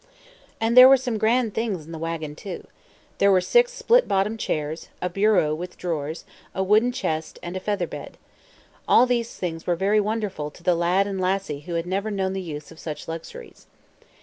And there were some grand things in the wagon, too. There were six split bottomed chairs, a bureau with drawers, a wooden chest, and a feather bed. All these things were very wonderful to the lad and lassie who had never known the use of such luxuries.